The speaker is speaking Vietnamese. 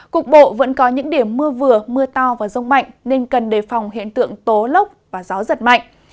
cục bộ vẫn có những điểm mưa vừa mưa to và rông mạnh nên cần đề phòng hiện tượng tố lốc và gió giật mạnh